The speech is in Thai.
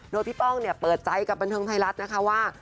โดยพี่ป้องเนี่ยเปิดใจกับบันเทิงไทยรัฐนะคะว่า